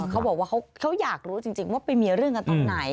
เขาบอกว่าเขาอยากรู้จริงว่าไปมีเรื่องกันตอนไหน